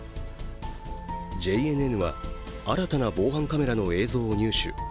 ＪＮＮは、新たな防犯カメラの映像を入手。